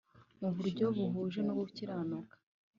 Mu buryo buhuje no gukiranuka